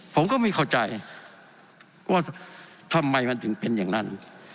ผมก็ไม่เข้าใจว่าทำไมมันถึงเป็นอย่างนั้น